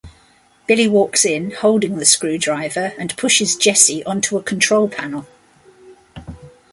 Billy walks in, holding the screwdriver, and pushes Jesse onto a control panel.